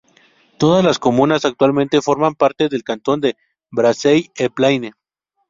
Todas las comunas actualmente forman parte del cantón de Brazey-en-Plaine.